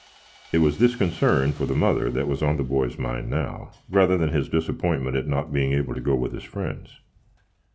It was this concern for the mother that was on the boy's mind now, rather than his disappointment at not being able to go with his friends.